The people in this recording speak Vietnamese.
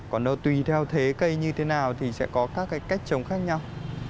còn nó tùy theo thế cây như thế nào thì sẽ có các cái cách trồng khác nhau